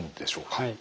はい。